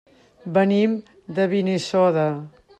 Venim de Benissoda.